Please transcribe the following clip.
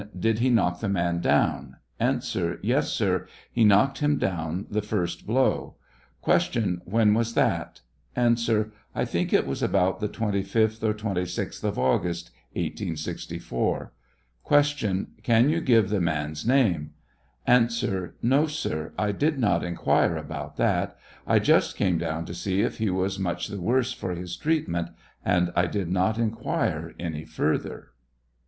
Did he knock the man down? A. Yes, sir ; he knocked him down the first blow. Q. When was that? A. I think it was about the 2.5th or 26th of August, 1864. Q. Can you give the man's name ? A. No, sir; I did not inquire about that; I just came down to see if he was much th worse for his treatment; and I did not inquire any further.